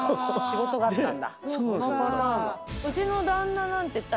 仕事があったんだ。